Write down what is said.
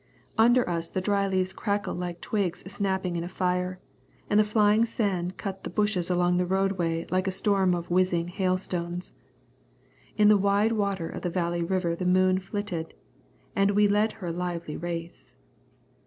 Under us the dry leaves crackled like twigs snapping in a fire, and the flying sand cut the bushes along the roadway like a storm of whizzing hailstones. In the wide water of the Valley River the moon flitted, and we led her a lively race.